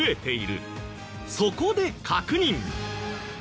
そこで確認！